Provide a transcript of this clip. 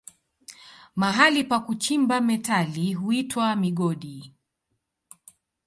Mahali pa kuchimba metali huitwa migodi.